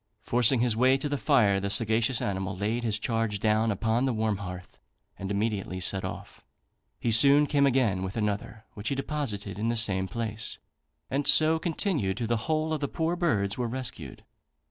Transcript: Forcing his way to the fire, the sagacious animal laid his charge down upon the warm hearth, and immediately set off. He soon came again with another, which he deposited in the same place, and so continued till the whole of the poor birds were rescued.